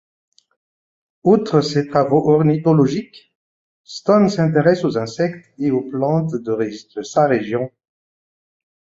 Outre ses travaux ornithologiques, Stone s’intéresse aux insectes et aux plantes de sa région.